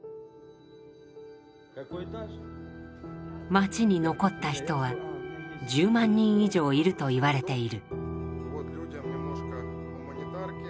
街に残った人は１０万人以上いるといわれている。